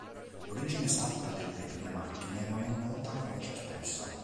L'origine esatta delle prime macchine non è nota con certezza.